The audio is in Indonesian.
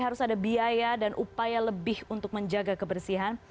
harus ada biaya dan upaya lebih untuk menjaga kebersihan